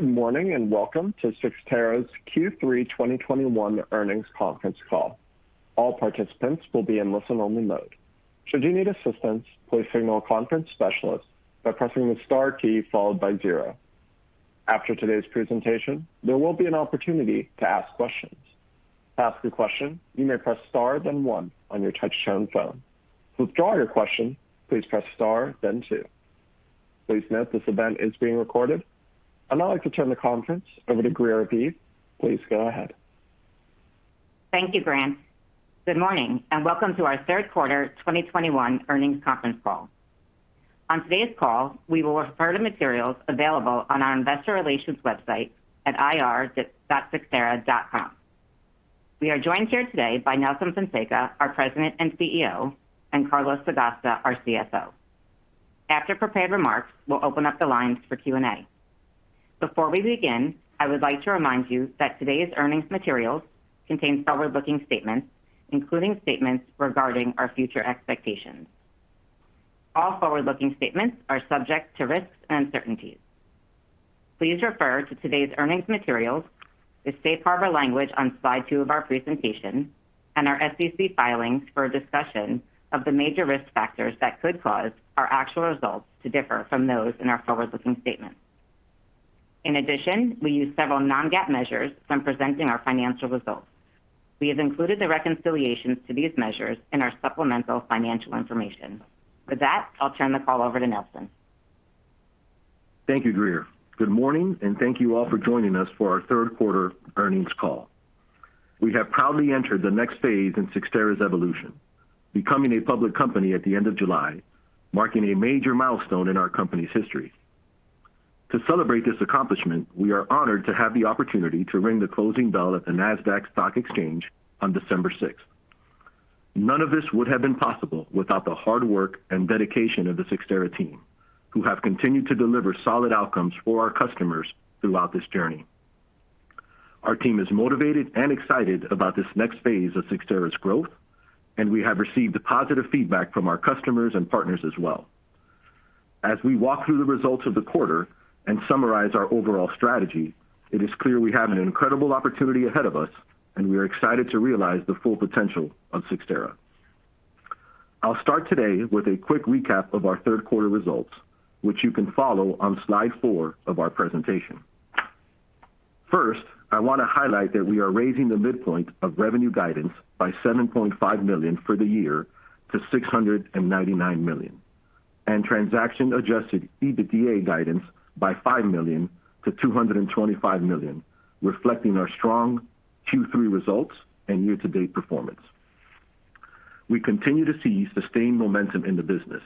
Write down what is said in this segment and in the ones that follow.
Good morning, and welcome to Cyxtera's Q3 2021 earnings conference call. All participants will be in listen-only mode. Should you need assistance, please signal a conference specialist by pressing the star key followed by zero. After today's presentation, there will be an opportunity to ask questions. To ask a question, you may press star then one on your touchtone phone. To withdraw your question, please press star then two. Please note this event is being recorded. I'd now like to turn the conference over to Greer Aviv. Please go ahead. Thank you, Grant. Good morning, and welcome to our third quarter 2021 earnings conference call. On today's call, we will refer to materials available on our investor relations website at ir.cyxtera.com. We are joined here today by Nelson Fonseca, our President and CEO, and Carlos Sagasta, our CFO. After prepared remarks, we'll open up the lines for Q&A. Before we begin, I would like to remind you that today's earnings materials contain forward-looking statements, including statements regarding our future expectations. All forward-looking statements are subject to risks and uncertainties. Please refer to today's earnings materials, the safe harbor language on slide two of our presentation and our SEC filings for a discussion of the major risk factors that could cause our actual results to differ from those in our forward-looking statements. In addition, we use several Non-GAAP measures when presenting our financial results. We have included the reconciliations to these measures in our supplemental financial information. With that, I'll turn the call over to Nelson. Thank you, Greer. Good morning, and thank you all for joining us for our third quarter earnings call. We have proudly entered the next phase in Cyxtera's evolution, becoming a public company at the end of July, marking a major milestone in our company's history. To celebrate this accomplishment, we are honored to have the opportunity to ring the closing bell at the Nasdaq Stock Exchange on December 6th. None of this would have been possible without the hard work and dedication of the Cyxtera team, who have continued to deliver solid outcomes for our customers throughout this journey. Our team is motivated and excited about this next phase of Cyxtera's growth, and we have received positive feedback from our customers and partners as well. As we walk through the results of the quarter and summarize our overall strategy, it is clear we have an incredible opportunity ahead of us, and we are excited to realize the full potential of Cyxtera. I'll start today with a quick recap of our third quarter results, which you can follow on slide four of our presentation. First, I want to highlight that we are raising the midpoint of revenue guidance by $7.5 million for the year to $699 million, and transaction-adjusted EBITDA guidance by $5 million to $225 million, reflecting our strong Q3 results and year-to-date performance. We continue to see sustained momentum in the business,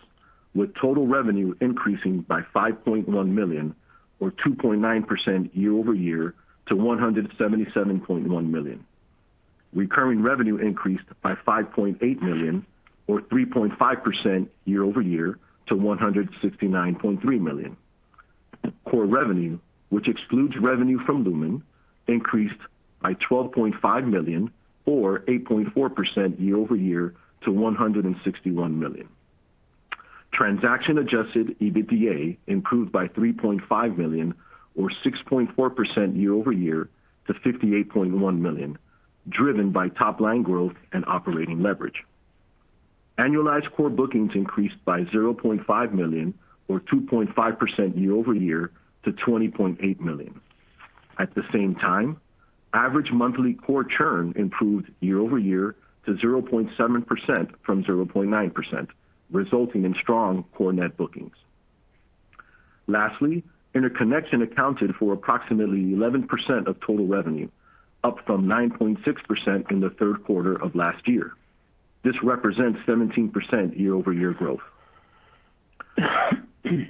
with total revenue increasing by $5.1 million or 2.9% year-over-year to $177.1 million. Recurring revenue increased by $5.8 million or 3.5% year-over-year to $169.3 million. Core revenue, which excludes revenue from Lumen, increased by $12.5 million or 8.4% year-over-year to $161 million. Transaction-adjusted EBITDA improved by $3.5 million or 6.4% year-over-year to $58.1 million, driven by top line growth and operating leverage. Annualized core bookings increased by $0.5 million or 2.5% year-over-year to $20.8 million. At the same time, average monthly core churn improved year-over-year to 0.7% from 0.9%, resulting in strong core net bookings. Lastly, interconnection accounted for approximately 11% of total revenue, up from 9.6% in the third quarter of last year. This represents 17% year-over-year growth.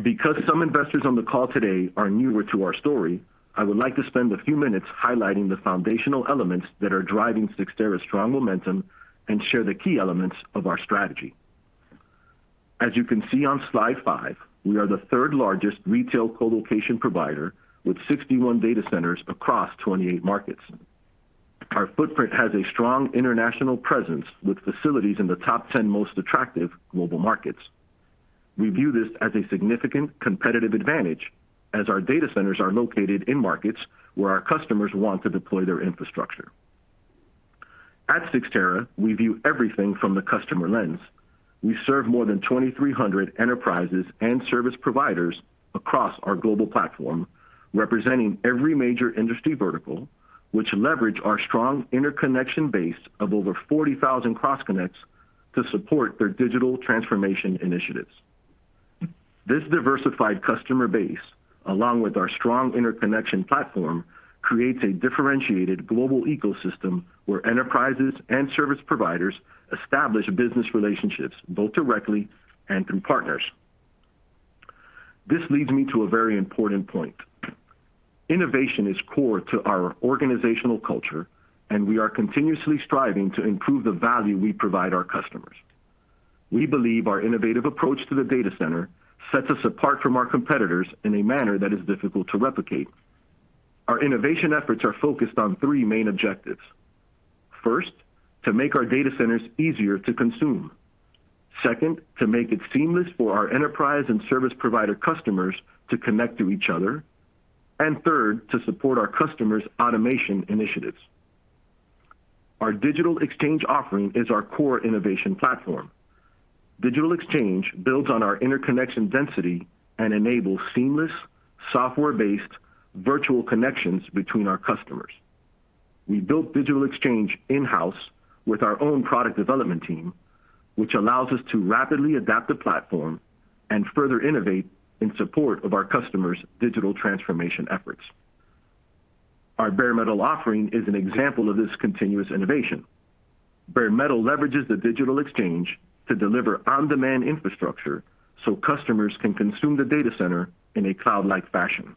Because some investors on the call today are newer to our story, I would like to spend a few minutes highlighting the foundational elements that are driving Cyxtera's strong momentum and share the key elements of our strategy. As you can see on slide five, we are the third largest retail colocation provider with 61 data centers across 28 markets. Our footprint has a strong international presence with facilities in the top 10 most attractive global markets. We view this as a significant competitive advantage, as our data centers are located in markets where our customers want to deploy their infrastructure. At Cyxtera, we view everything from the customer lens. We serve more than 2,300 enterprises and service providers across our global platform, representing every major industry vertical, which leverage our strong interconnection base of over 40,000 cross connects to support their digital transformation initiatives. This diversified customer base, along with our strong interconnection platform, creates a differentiated global ecosystem where enterprises and service providers establish business relationships, both directly and through partners. This leads me to a very important point. Innovation is core to our organizational culture, and we are continuously striving to improve the value we provide our customers. We believe our innovative approach to the data center sets us apart from our competitors in a manner that is difficult to replicate. Our innovation efforts are focused on three main objectives. First, to make our data centers easier to consume. Second, to make it seamless for our enterprise and service provider customers to connect to each other. Third, to support our customers' automation initiatives. Our Digital Exchange offering is our core innovation platform. Digital Exchange builds on our interconnection density and enables seamless software-based virtual connections between our customers. We built Digital Exchange in-house with our own product development team, which allows us to rapidly adapt the platform and further innovate in support of our customers' digital transformation efforts. Our Bare Metal offering is an example of this continuous innovation. Bare Metal leverages the Digital Exchange to deliver on-demand infrastructure so customers can consume the data center in a cloud-like fashion.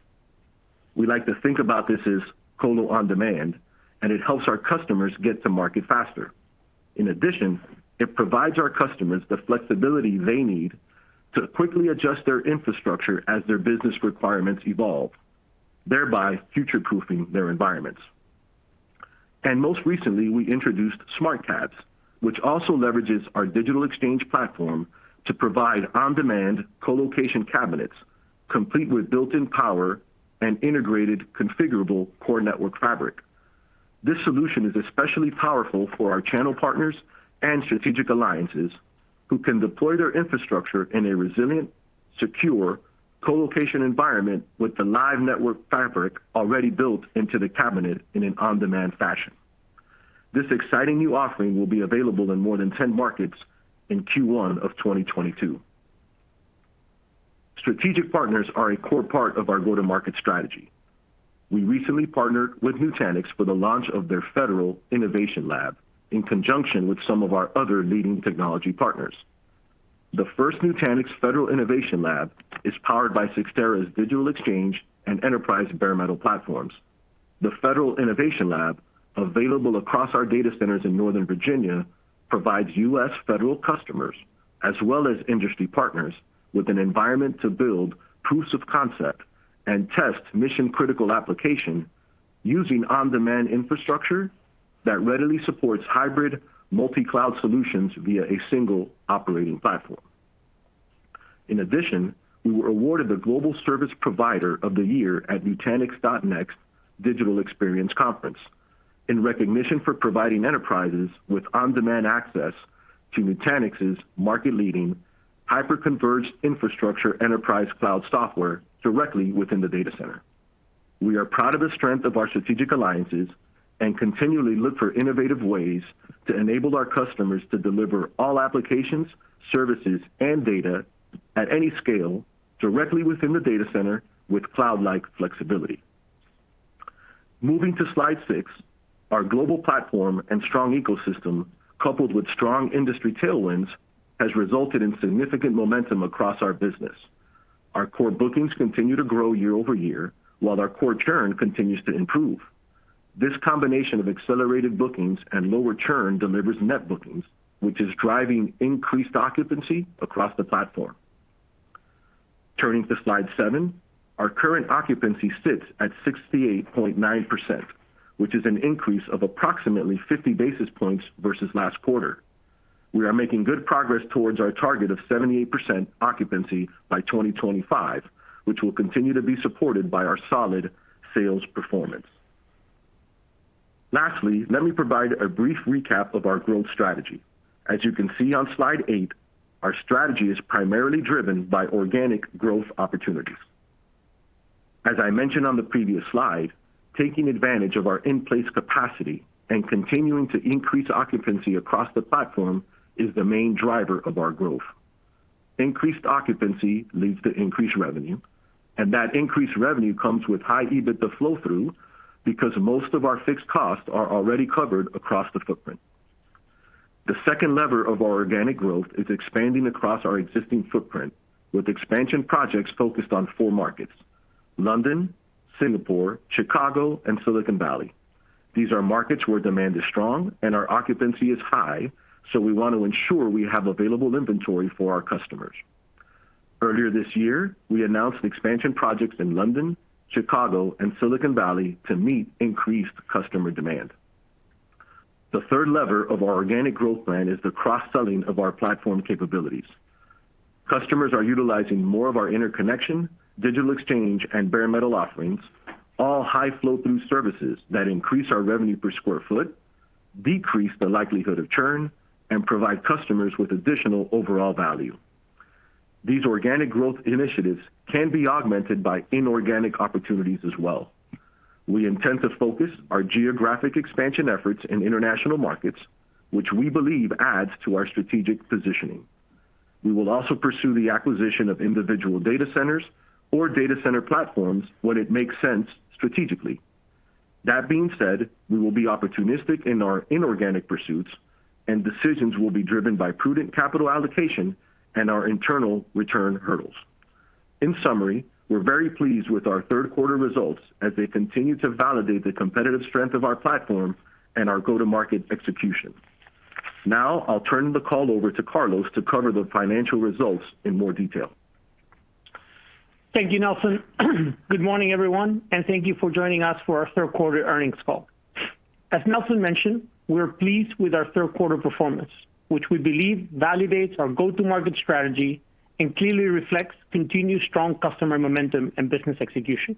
We like to think about this as colo on-demand, and it helps our customers get to market faster. In addition, it provides our customers the flexibility they need to quickly adjust their infrastructure as their business requirements evolve, thereby future-proofing their environments. Most recently, we introduced Smart Cabs, which also leverages our Digital Exchange platform to provide on-demand colocation cabinets, complete with built-in power and integrated configurable core network fabric. This solution is especially powerful for our channel partners and strategic alliances, who can deploy their infrastructure in a resilient, secure colocation environment with the live network fabric already built into the cabinet in an on-demand fashion. This exciting new offering will be available in more than 10 markets in Q1 of 2022. Strategic partners are a core part of our go-to-market strategy. We recently partnered with Nutanix for the launch of their federal innovation lab in conjunction with some of our other leading technology partners. The first Nutanix federal innovation lab is powered by Cyxtera's Digital Exchange and Enterprise Bare Metal platforms. The Federal Innovation Lab, available across our data centers in Northern Virginia, provides U.S. federal customers, as well as industry partners, with an environment to build proofs of concept and test mission-critical application using on-demand infrastructure that readily supports hybrid multi-cloud solutions via a single operating platform. In addition, we were awarded the global service provider of the year at Nutanix .NEXT digital experience conference in recognition for providing enterprises with on-demand access to Nutanix's market-leading hyperconverged infrastructure enterprise cloud software directly within the data center. We are proud of the strength of our strategic alliances and continually look for innovative ways to enable our customers to deliver all applications, services, and data at any scale directly within the data center with cloud-like flexibility. Moving to slide six, our global platform and strong ecosystem, coupled with strong industry tailwinds, has resulted in significant momentum across our business. Our core bookings continue to grow year-over-year, while our core churn continues to improve. This combination of accelerated bookings and lower churn delivers net bookings, which is driving increased occupancy across the platform. Turning to slide seven, our current occupancy sits at 68.9%, which is an increase of approximately 50 basis points versus last quarter. We are making good progress towards our target of 78% occupancy by 2025, which will continue to be supported by our solid sales performance. Lastly, let me provide a brief recap of our growth strategy. As you can see on slide eight, our strategy is primarily driven by organic growth opportunities. As I mentioned on the previous slide, taking advantage of our in-place capacity and continuing to increase occupancy across the platform is the main driver of our growth. Increased occupancy leads to increased revenue, and that increased revenue comes with high EBITDA flow-through because most of our fixed costs are already covered across the footprint. The second lever of our organic growth is expanding across our existing footprint, with expansion projects focused on four markets, London, Singapore, Chicago, and Silicon Valley. These are markets where demand is strong and our occupancy is high, so we want to ensure we have available inventory for our customers. Earlier this year, we announced expansion projects in London, Chicago, and Silicon Valley to meet increased customer demand. The third lever of our organic growth plan is the cross-selling of our platform capabilities. Customers are utilizing more of our interconnection, Digital Exchange, and Bare Metal offerings, all high flow-through services that increase our revenue per square foot, decrease the likelihood of churn, and provide customers with additional overall value. These organic growth initiatives can be augmented by inorganic opportunities as well. We intend to focus our geographic expansion efforts in international markets, which we believe adds to our strategic positioning. We will also pursue the acquisition of individual data centers or data center platforms when it makes sense strategically. That being said, we will be opportunistic in our inorganic pursuits and decisions will be driven by prudent capital allocation and our internal return hurdles. In summary, we're very pleased with our third quarter results as they continue to validate the competitive strength of our platform and our go-to-market execution. Now, I'll turn the call over to Carlos to cover the financial results in more detail. Thank you, Nelson. Good morning, everyone, and thank you for joining us for our third quarter earnings call. As Nelson mentioned, we're pleased with our third quarter performance, which we believe validates our go-to-market strategy and clearly reflects continued strong customer momentum and business execution.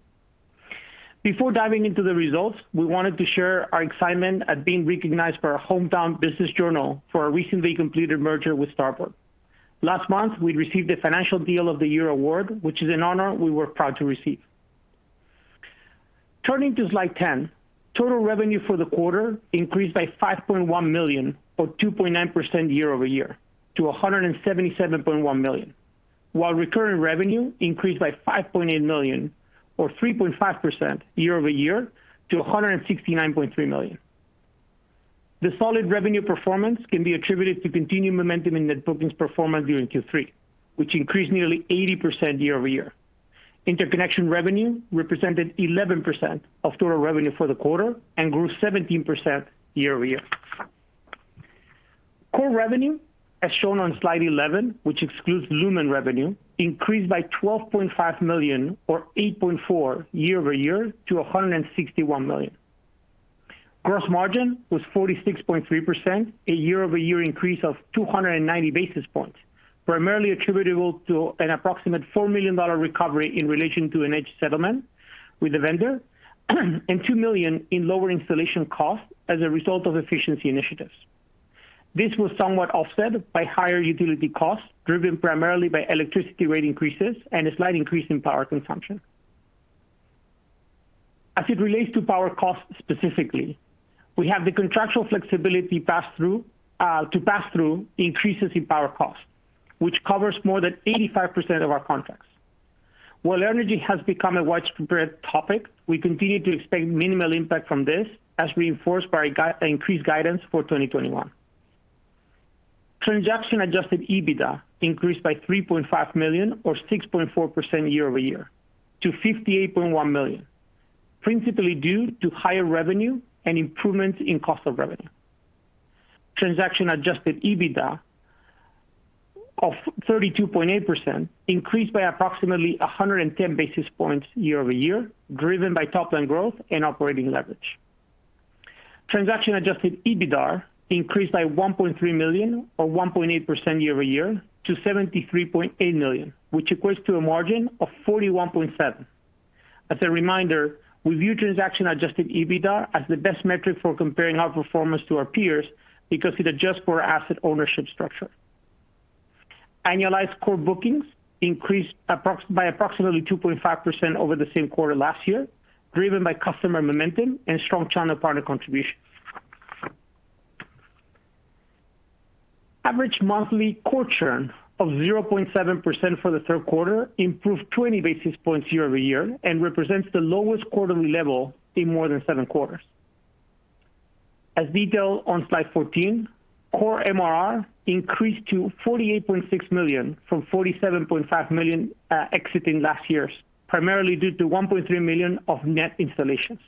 Before diving into the results, we wanted to share our excitement at being recognized by our hometown business journal for our recently completed merger with Starboard. Last month, we received the Financial Deal of the Year award, which is an honor we were proud to receive. Turning to slide 10, total revenue for the quarter increased by $5.1 million or 2.9% year-over-year to $177.1 million, while recurring revenue increased by $5.8 million or 3.5% year-over-year to $169.3 million. The solid revenue performance can be attributed to continued momentum in net bookings performance during Q3, which increased nearly 80% year-over-year. Interconnection revenue represented 11% of total revenue for the quarter and grew 17% year-over-year. Core revenue, as shown on slide 11, which excludes Lumen revenue, increased by $12.5 million or 8.4% year-over-year to $161 million. Gross margin was 46.3%, a year-over-year increase of 290 basis points, primarily attributable to an approximate $4 million recovery in relation to a net settlement with the vendor and $2 million in lower installation costs as a result of efficiency initiatives. This was somewhat offset by higher utility costs, driven primarily by electricity rate increases and a slight increase in power consumption. As it relates to power costs specifically, we have the contractual flexibility pass through to pass through increases in power costs, which covers more than 85% of our contracts. While energy has become a widespread topic, we continue to expect minimal impact from this as reinforced by increased guidance for 2021. Transaction-adjusted EBITDA increased by $3.5 million or 6.4% year-over-year to $58.1 million, principally due to higher revenue and improvements in cost of revenue. Transaction-adjusted EBITDA of 32.8% increased by approximately 110 basis points year-over-year, driven by top line growth and operating leverage. Transaction-adjusted EBITDAR increased by $1.3 million or 1.8% year-over-year to $73.8 million, which equates to a margin of 41.7%. As a reminder, we view transaction-adjusted EBITDAR as the best metric for comparing our performance to our peers because it adjusts for our asset ownership structure. Annualized core bookings increased by approximately 2.5% over the same quarter last year, driven by customer momentum and strong channel partner contributions. Average monthly core churn of 0.7% for the third quarter improved 20 basis points year-over-year and represents the lowest quarterly level in more than seven quarters. As detailed on slide 14, core MRR increased to $48.6 million from $47.5 million exiting last year's, primarily due to $1.3 million of net installations.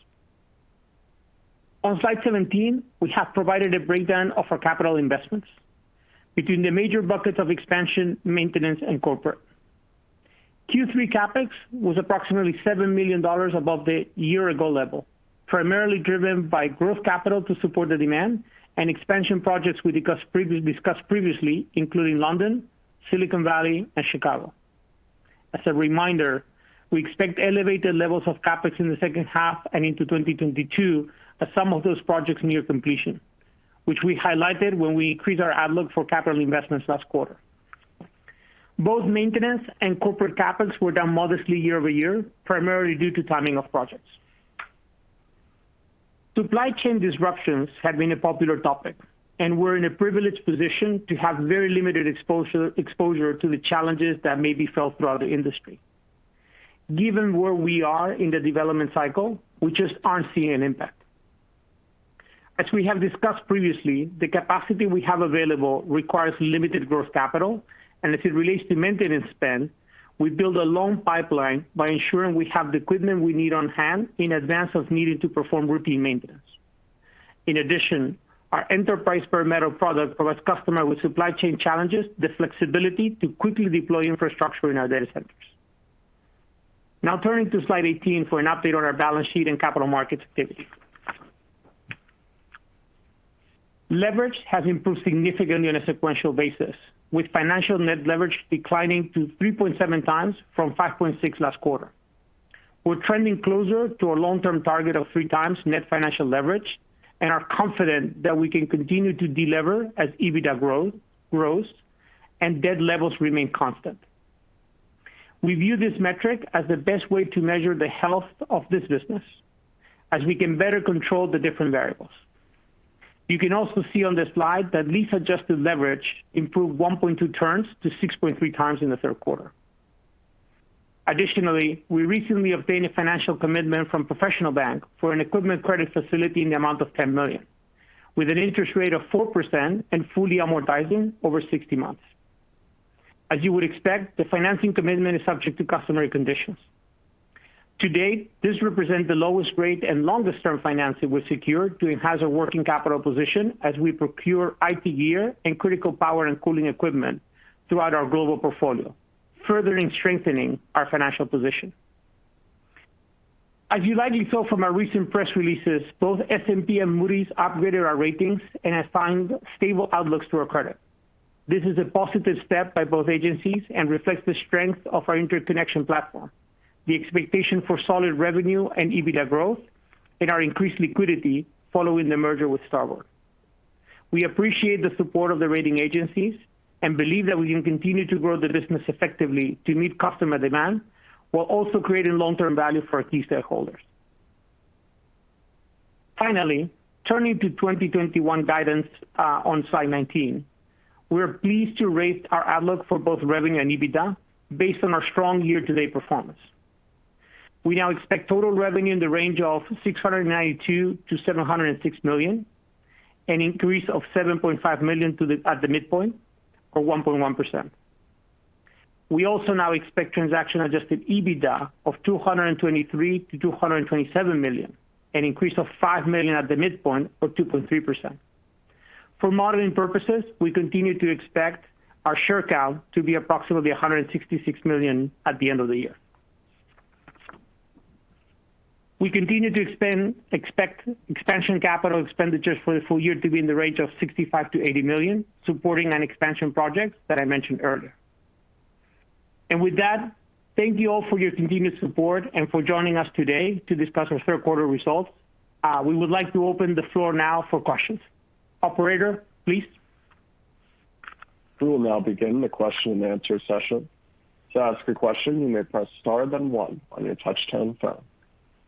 On slide 17, we have provided a breakdown of our capital investments between the major buckets of expansion, maintenance, and corporate. Q3 CapEx was approximately $7 million above the year ago level, primarily driven by growth capital to support the demand and expansion projects we discussed previously, including London, Silicon Valley, and Chicago. As a reminder, we expect elevated levels of CapEx in the second half and into 2022 as some of those projects near completion, which we highlighted when we increased our outlook for capital investments last quarter. Both maintenance and corporate CapEx were down modestly year-over-year, primarily due to timing of projects. Supply chain disruptions have been a popular topic, and we're in a privileged position to have very limited exposure to the challenges that may be felt throughout the industry. Given where we are in the development cycle, we just aren't seeing an impact. As we have discussed previously, the capacity we have available requires limited growth capital, and as it relates to maintenance spend, we build a long pipeline by ensuring we have the equipment we need on-hand in advance of needing to perform routine maintenance. In addition, our Enterprise Bare Metal product provides customers facing supply chain challenges with the flexibility to quickly deploy infrastructure in our data centers. Now turning to slide 18 for an update on our balance sheet and capital markets activity. Leverage has improved significantly on a sequential basis, with financial net leverage declining to 3.7x from 5.6x last quarter. We're trending closer to our long-term target of 3x net financial leverage and are confident that we can continue to delever as EBITDA growth grows and debt levels remain constant. We view this metric as the best way to measure the health of this business as we can better control the different variables. You can also see on the slide that lease-adjusted leverage improved 1.2 turns to 6.3x in the third quarter. Additionally, we recently obtained a financial commitment from Professional Bank for an equipment credit facility in the amount of $10 million, with an interest rate of 4% and fully amortizing over 60 months. As you would expect, the financing commitment is subject to customary conditions. To date, this represents the lowest rate and longest-term financing we've secured to enhance our working capital position as we procure IT gear and critical power and cooling equipment throughout our global portfolio, further strengthening our financial position. As you likely saw from our recent press releases, both S&P and Moody's upgraded our ratings and assigned stable outlooks to our credit. This is a positive step by both agencies and reflects the strength of our interconnection platform, the expectation for solid revenue and EBITDA growth, and our increased liquidity following the merger with Starboard. We appreciate the support of the rating agencies and believe that we can continue to grow the business effectively to meet customer demand, while also creating long-term value for our key stakeholders. Finally, turning to 2021 guidance, on slide 19. We are pleased to raise our outlook for both revenue and EBITDA based on our strong year-to-date performance. We now expect total revenue in the range of $692 million-$706 million, an increase of $7.5 million at the midpoint, or 1.1%. We also now expect transaction-adjusted EBITDA of $223 million-$227 million, an increase of $5 million at the midpoint or 2.3%. For modeling purposes, we continue to expect our share count to be approximately 166 million at the end of the year. We continue to expect expansion CapEx for the full year to be in the range of $65 million-$80 million, supporting an expansion project that I mentioned earlier. With that, thank you all for your continued support and for joining us today to discuss our third quarter results. We would like to open the floor now for questions. Operator, please. We will now begin the question and answer session. To ask a question, you may press star then one on your touchtone phone.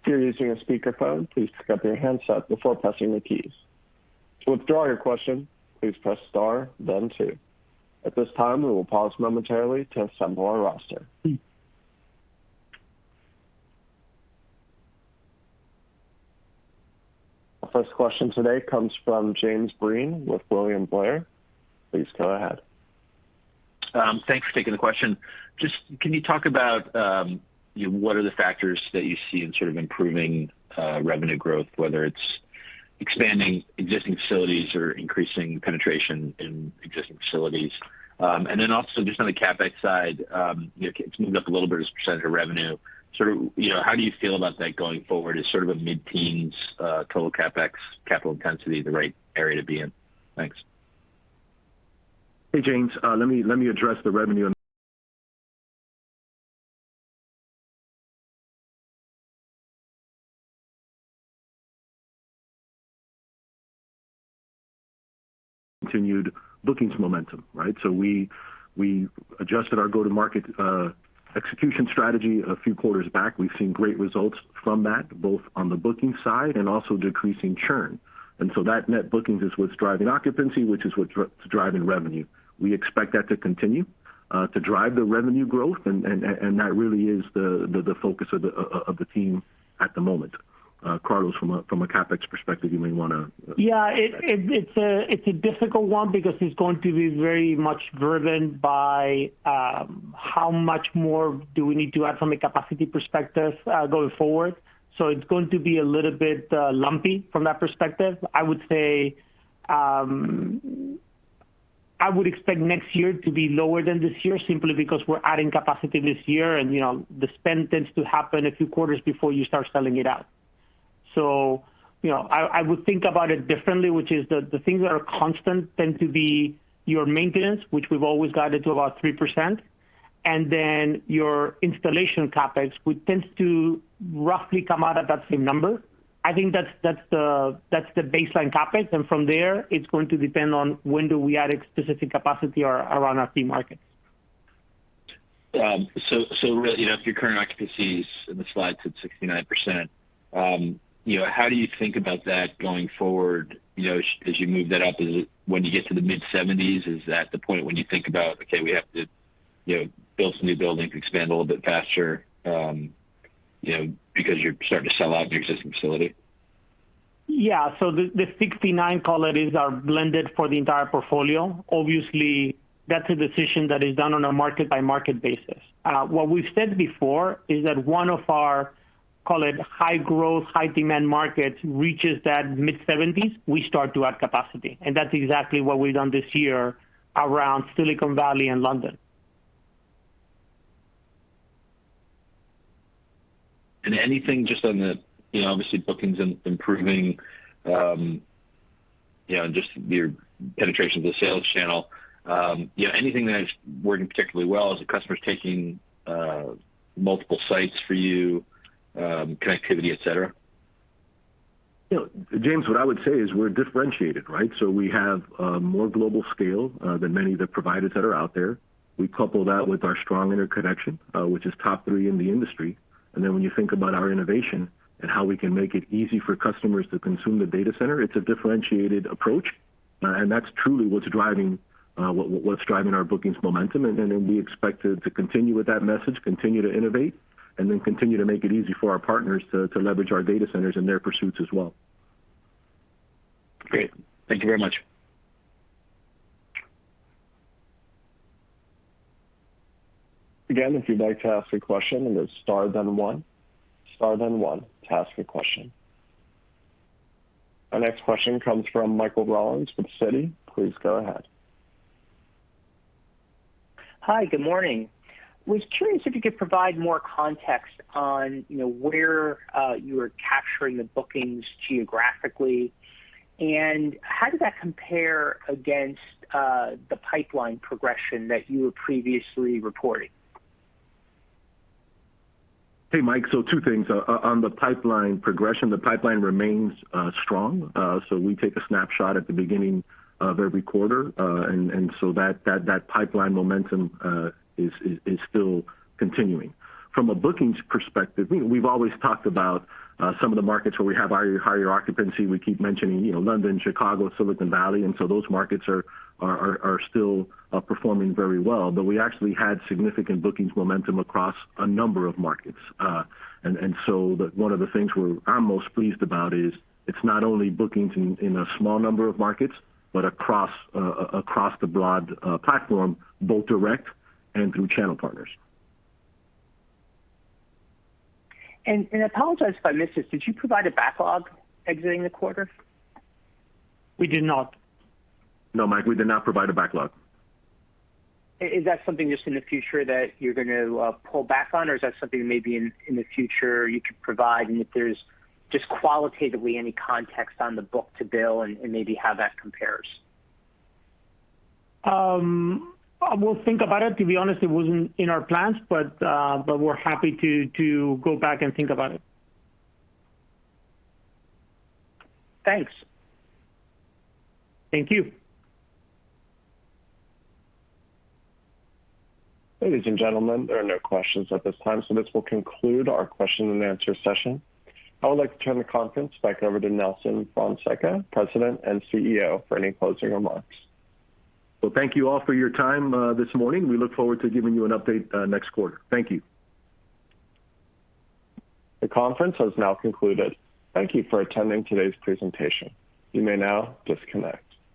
If you're using a speakerphone, please pick up your handset before pressing the keys. To withdraw your question, please press star then two. At this time, we will pause momentarily to assemble our roster. Our first question today comes from James Breen with William Blair. Please go ahead. Thanks for taking the question. Just can you talk about what are the factors that you see in sort of improving revenue growth, whether it's expanding existing facilities or increasing penetration in existing facilities? Also just on the CapEx side, you know, it's moved up a little bit as a percentage of revenue. Sort of, you know, how do you feel about that going forward as sort of a mid-teens total CapEx capital intensity, the right area to be in? Thanks. Hey, James. Let me address the revenue and continued bookings momentum, right? We adjusted our go-to-market execution strategy a few quarters back. We've seen great results from that, both on the booking side and also decreasing churn. That net bookings is what's driving occupancy, which is what's driving revenue. We expect that to continue to drive the revenue growth, and that really is the focus of the team at the moment. Carlos, from a CapEx perspective, you may wanna- Yeah, it's a difficult one because it's going to be very much driven by how much more we need to add from a capacity perspective going forward. It's going to be a little bit lumpy from that perspective. I would say I would expect next year to be lower than this year, simply because we're adding capacity this year. You know, the spend tends to happen a few quarters before you start selling it out. You know, I would think about it differently, which is the things that are constant tend to be your maintenance, which we've always guided to about 3%, and then your installation CapEx, which tends to roughly come out at that same number. I think that's the baseline CapEx, and from there it's going to depend on when do we add specific capacity around our key markets. You know, if your current occupancy is in the slides at 69%, you know, how do you think about that going forward, you know, as you move that up? Is it when you get to the mid-seventies, is that the point when you think about, okay, we have to, you know, build some new buildings, expand a little bit faster, you know, because you're starting to sell out your existing facility? The 69% column is our blended for the entire portfolio. Obviously that's a decision that is done on a market by market basis. What we've said before is that one of our, call it high growth, high demand markets, reaches that mid-70s%, we start to add capacity. That's exactly what we've done this year around Silicon Valley and London. Anything just on the, you know, obviously bookings improving, you know, just your penetration of the sales channel. You know, anything that is working particularly well as the customer's taking multiple sites for you, connectivity, et cetera? You know, James, what I would say is we're differentiated, right? We have more global scale than many of the providers that are out there. We couple that with our strong interconnection, which is top three in the industry. When you think about our innovation and how we can make it easy for customers to consume the data center, it's a differentiated approach. That's truly what's driving our bookings momentum. We expect to continue with that message, continue to innovate, and continue to make it easy for our partners to leverage our data centers in their pursuits as well. Great. Thank you very much. Again, if you'd like to ask a question, it is star then one. Star then one to ask a question. Our next question comes from Michael Rollins with Citi. Please go ahead. Hi, good morning. Was curious if you could provide more context on, you know, where you are capturing the bookings geographically, and how does that compare against the pipeline progression that you were previously reporting? Hey, Mike. Two things. On the pipeline progression, the pipeline remains strong. We take a snapshot at the beginning of every quarter. That pipeline momentum is still continuing. From a bookings perspective, we've always talked about some of the markets where we have higher occupancy. We keep mentioning, you know, London, Chicago, Silicon Valley, and so those markets are still performing very well. We actually had significant bookings momentum across a number of markets. One of the things I'm most pleased about is it's not only bookings in a small number of markets, but across the broad platform, both direct and through channel partners. Apologize if I missed this. Did you provide a backlog exiting the quarter? We did not. No, Mike, we did not provide a backlog. Is that something just in the future that you're gonna pull back on, or is that something maybe in the future you could provide? If there's just qualitatively any context on the book-to-bill and maybe how that compares. We'll think about it. To be honest, it wasn't in our plans, but we're happy to go back and think about it. Thanks. Thank you. Ladies and gentlemen, there are no questions at this time, so this will conclude our question-and-answer session. I would like to turn the conference back over to Nelson Fonseca, President and CEO, for any closing remarks. Well, thank you all for your time this morning. We look forward to giving you an update next quarter. Thank you. The conference has now concluded. Thank you for attending today's presentation. You may now disconnect.